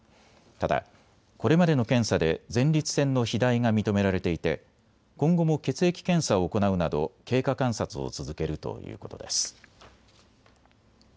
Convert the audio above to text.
ただ、これまでの検査で前立腺の肥大が認められていて今後も血液検査を行うなど経過観察を続けるということです。